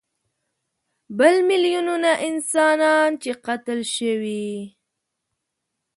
بل میلیونونه انسانان چې قتل شوي.